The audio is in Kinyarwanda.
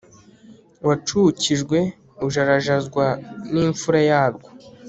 wacukijwe ujarajazwa nimfura yarwo